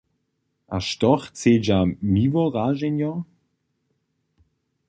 A što chcedźa Miłoraženjo?